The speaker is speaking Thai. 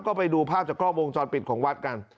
ก็ไปดูภาพจากกล้องวงจรปิดของวัดกัน